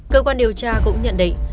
cơ quan điều tra cũng nhận định